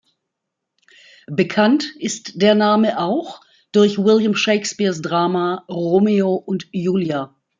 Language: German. Bekannt ist der Name auch durch William Shakespeares Drama Romeo und Julia.